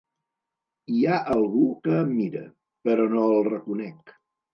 Hi ha algú que em mira, però no el reconec.